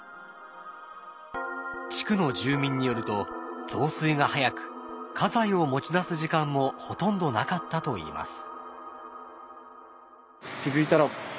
地区の住民によると増水が早く家財を持ち出す時間もほとんどなかったといいます。